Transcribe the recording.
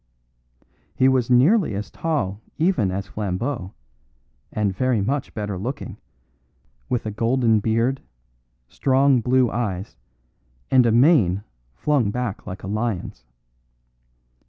He was nearly as tall even as Flambeau, and very much better looking, with a golden beard, strong blue eyes, and a mane flung back like a lion's.